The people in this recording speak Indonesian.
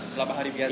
selama hari biasa